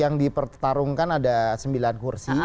yang dipertarungkan ada sembilan kursi